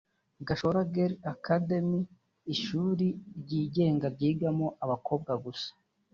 " Gashora Girls Academy ni ishuri ryigenga ryigamo abakobwa gusa